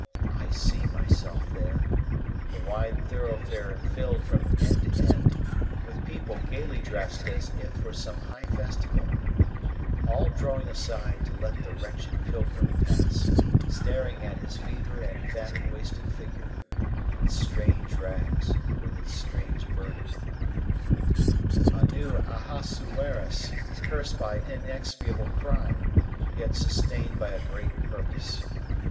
I see myself there, the wide thoroughfare filled from end to end with people gaily dressed as if for some high festival, all drawing aside to let the wretched pilgrim pass, staring at his fever and famine wasted figure, in its strange rags, with its strange burden. A new Ahasuerus, cursed by inexpiable crime, yet sustained by a great purpose.